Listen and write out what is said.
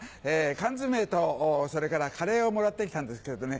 缶詰とそれからカレーをもらってきたんですけれどね。